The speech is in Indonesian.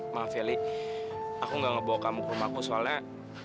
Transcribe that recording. maaf eli aku nggak ngebawa kamu ke rumahku soalnya